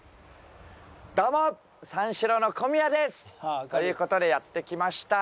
どうも三四郎の小宮です！という事でやって来ました。